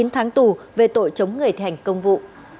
chín tháng tù về tội chống người thành công vụ